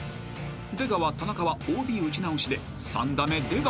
［出川田中はＯＢ打ち直しで３打目出川］